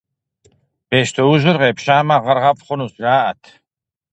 Бещтоужьыр къепщэмэ, гъэр гъэфӀ хъунущ, жаӀэрт.